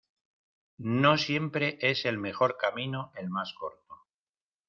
No siempre es el mejor camino el más corto.